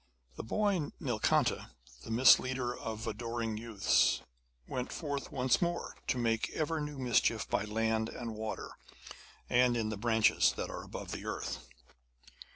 The boy Nilkanta, the misleader of adoring youths, went forth once more, to make ever new mischief by land and water and in the branches that are above the earth.